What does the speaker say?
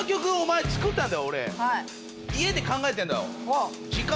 家で考えてんだよ。